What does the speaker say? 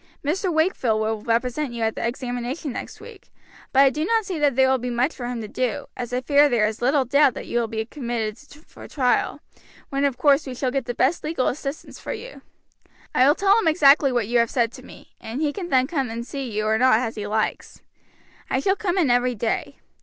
Mr. Wakefield will represent you at the examination next week; but I do not see that there will be much for him to do, as I fear there is little doubt that you will be committed for trial, when of course we shall get the best legal assistance for you. I will tell him exactly what you have said to me, and he can then come and see you or not as he likes. I shall come in every day.